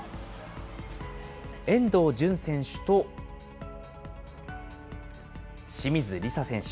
遠藤純選手と、清水梨紗選手。